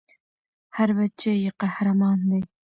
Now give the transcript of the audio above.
هر بــچی ېي قـــهــــــــرمان دی